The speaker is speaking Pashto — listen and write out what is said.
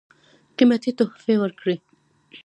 قېمتي تحفې ورکړې.